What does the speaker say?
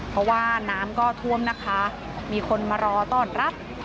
เพราะว่าน้ำก็ท่วมนะคะมีคนมารอต้อนรับ